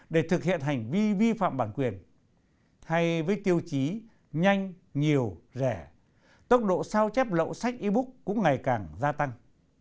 để thực hiện hành vi vi phạm bản quyền hay với tiêu chí nhanh nhiều rẻ tốc độ sao chép lậu sách e book cũng ngày càng gia tăng